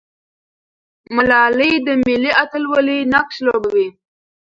ملالۍ د ملي اتلولۍ نقش لوبولی.